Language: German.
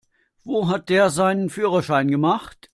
Wo hat der seinen Führerschein gemacht?